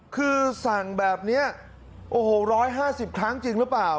คือสั่งแบบนี้โอ้โห๑๕๐ครั้งจริงหรือเปล่า